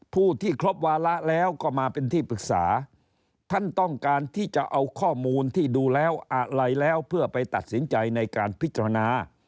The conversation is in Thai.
ผู้ที่ครบวาระแล้วก็มาเป็นที่ปรึกษาท่านต้องการที่จะเอาข้อมูลที่ดูแล้วอะไรแล้วเพื่อไปตัดสินใจในการพิจารณา